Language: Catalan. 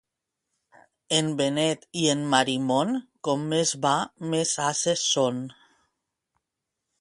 En Benet i en Marimon, com més va més ases són.